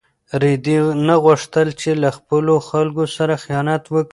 رېدي نه غوښتل چې له خپلو خلکو سره خیانت وکړي.